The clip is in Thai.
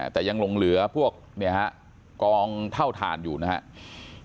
แต่ยังลงเหลือพวกกองเท่าฐานอยู่นะครับ